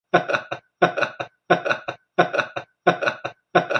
He spent the next few years fighting in the civil war.